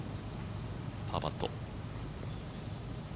パーパット。